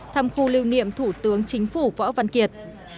thăm khu lưu niệm thủ tướng chính phủ võ văn kiệt